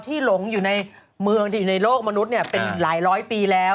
หลงอยู่ในเมืองที่อยู่ในโลกมนุษย์เป็นหลายร้อยปีแล้ว